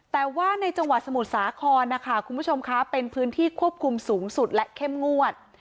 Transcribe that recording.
แต่ว่าในจังหวัดสมุทรสาครนะคะคุณผู้ชมคะเป็นพื้นที่ควบคุมสูงสุดและเข้มงวด